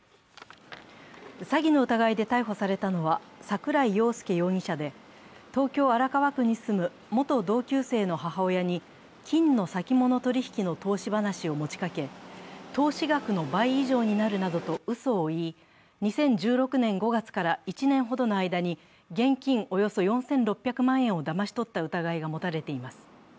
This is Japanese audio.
詐欺の疑いで逮捕されたのは、桜井庸輔容疑者で、東京・荒川区に住む元同級生の母親に金の先物取引の投資話を持ちかけ、投資額の倍以上になるなどとうそを言い、２０１６年５月から１年ほどの間に現金およそ４６００万円をだまし取った疑いが持たれています。